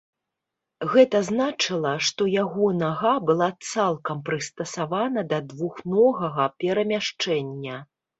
Гэта значыла, што яго нага была цалкам прыстасавана да двухногага перамяшчэння.